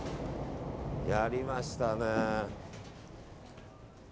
やりましたね。